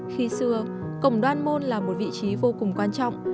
khi xưa cổng đoan môn là một vị trí vô cùng quan trọng